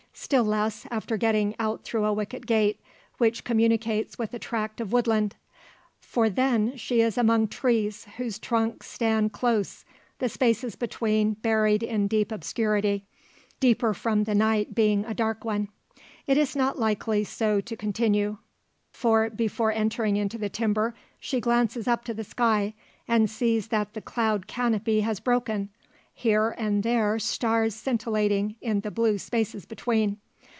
Still less, after getting out through a wicket gate, which communicates with a tract of woodland. For then she is among trees whose trunks stand close, the spaces between buried in deep obscurity deeper from the night being a dark one. It is not likely so to continue: for, before entering into the timber, she glances up to the sky, and sees that the cloud canopy has broken; here and there stars scintillating in the blue spaces between.